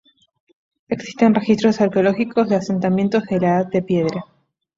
Existen registros arqueológicos de asentamientos de la Edad de Piedra.